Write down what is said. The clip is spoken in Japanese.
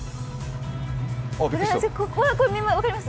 ここ、分かります？